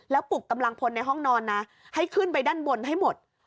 แล้วปลุกกำลังพลในห้องนอนนะให้ขึ้นไปด้านบนให้หมด